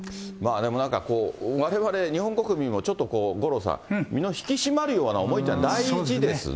なんかわれわれ日本国民も、ちょっとこう、五郎さん、身の引き締まる思いというのは大事ですね。